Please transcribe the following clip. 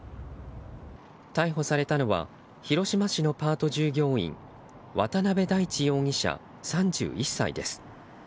逮捕されたのは広島市のパート従業員渡部大地容疑者、３１歳です。